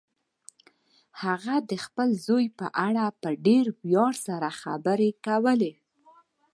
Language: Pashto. هغې د خپل زوی په اړه په ډېر ویاړ سره خبرې کولې